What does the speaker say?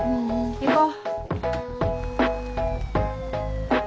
行こう。